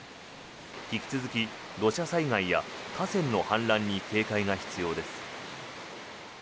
引き続き土砂災害や河川の氾濫に警戒が必要です。